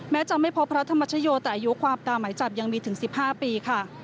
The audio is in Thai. จะไม่พบพระธรรมชโยแต่อายุความตามหมายจับยังมีถึง๑๕ปีค่ะ